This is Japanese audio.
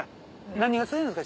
何が釣れるんですか？